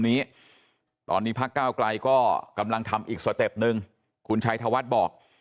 นี้ตอนนี้พักก้าวไกลก็กำลังทำอีกสเต็ปหนึ่งคุณชัยธวัฒน์บอก